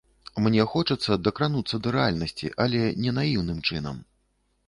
Мне хочацца дакрануцца да рэальнасці, але не наіўным чынам.